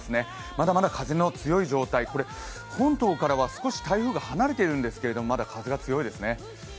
まだまだ風の強い状態、本島からはまだ台風が離れているんですけれども、まだ風が強いですね。